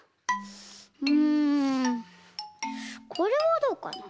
うんこれはどうかな？